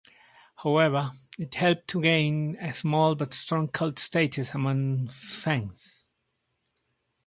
However, it helped to gain a small but strong cult status among fans.